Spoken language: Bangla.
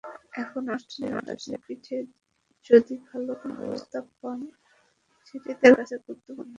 এখন অস্ট্রেলিয়ার কাছে-পিঠে যদি ভালো কোনো প্রস্তাব পান, সেটি তাঁর কাছে গুরুত্বপূর্ণ।